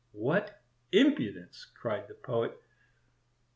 "What impudence!" cried the Poet.